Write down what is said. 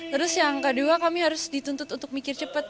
terus yang kedua kami harus dituntut untuk mikir cepat